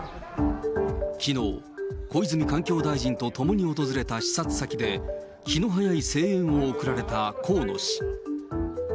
きのう、小泉環境大臣と共に訪れた視察先で、気の早い声援を送られた河野氏。